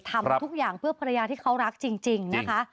ทำทุกอย่างเพื่อภรรยาที่เขารักจริงนะคะ